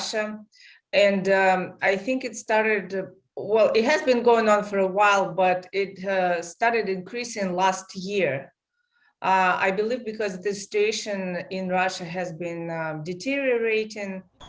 yang menentang presiden putin